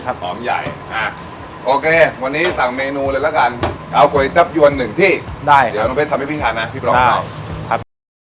ผักชีสฝรั่งหอมเยียวครับ